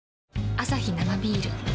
アサヒ生ビール